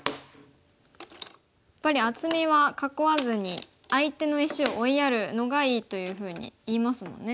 やっぱり厚みは囲わずに相手の石を追いやるのがいいというふうにいいますもんね。